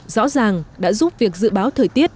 rõ ràng đã giúp việc dự báo thời tiết